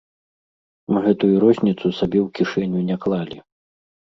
Мы гэтую розніцу сабе ў кішэню не клалі.